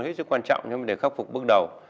rất quan trọng để khắc phục bước đầu